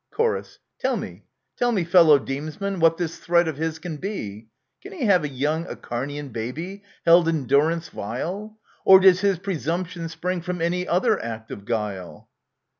Chor, Tell mc, tell me, fellow demesmen, what this threat of his can be ! Can he have a young Acharnian baby held in durance vile ? Or does his presumption spring from any other act of guile